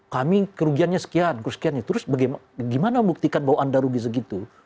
kami kerugiannya sekian terus bagaimana membuktikan bahwa anda rugi begitu